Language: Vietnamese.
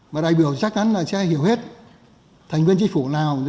và đại biểu chắc chắn là sẽ hiểu hết thành viên chính phủ nào